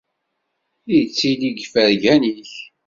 Ittili deg yifergan-ik.